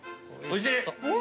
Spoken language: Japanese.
おいしい。